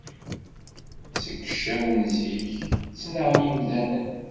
Seg ccaw n zik, ttnaɣen yimdanen.